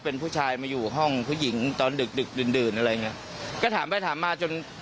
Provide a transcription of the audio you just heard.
เป็นผู้ชายมาอยู่ห้องผู้หญิงตอนดึกดึกดื่นดื่นอะไรอย่างเงี้ยก็ถามไปถามมาจน